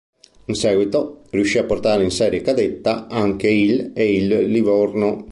In seguito, riuscì a portare in serie cadetta anche il e il Livorno.